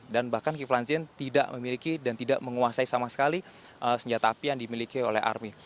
dan bahkan kiflan zen tidak memiliki dan tidak menguasai sama sekali senjata api yang dimiliki oleh army